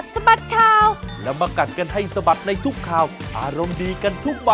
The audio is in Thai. สวัสดีค่ะ